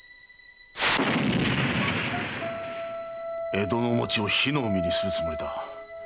江戸の町を火の海にするつもりだ。